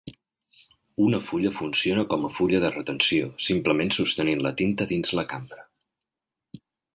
Una fulla funciona com a fulla de retenció, simplement sostenint la tinta dins de la cambra.